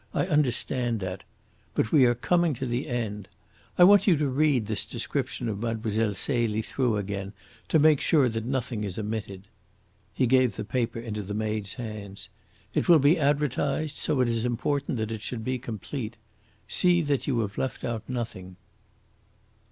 I understand that. But we are coming to the end. I want you to read this description of Mlle. Celie through again to make sure that nothing is omitted." He gave the paper into the maid's hands. "It will be advertised, so it is important that it should be complete. See that you have left out nothing."